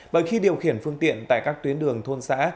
bởi khi điều khiển phương tiện tại các tuyến đường thôn xã